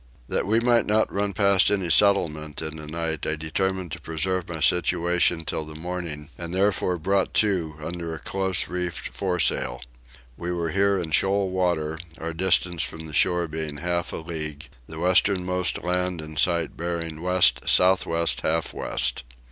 That we might not run past any settlement in the night I determined to preserve my station till the morning and therefore brought to under a close reefed foresail. We were here in shoal water, our distance from the shore being half a league, the westernmost land in sight bearing west south west half west.